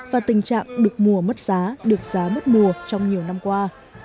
và tình trạng được mua mất giá được giá mất mua trong nhiều năm qua